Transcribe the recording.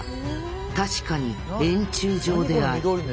確かに円柱状である。